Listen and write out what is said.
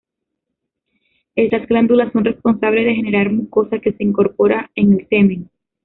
Estas glándulas son responsables de generar mucosa que se incorpora en el semen.